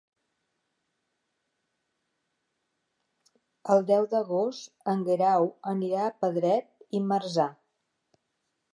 El deu d'agost en Guerau anirà a Pedret i Marzà.